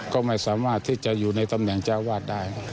ก็ไม่สามารถที่จะอยู่ในตำแหน่งเจ้าวาดได้